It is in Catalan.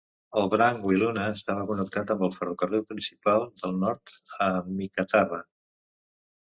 El branc Wiluna estava connectar amb el ferrocarril principal del nord a Meekatharra.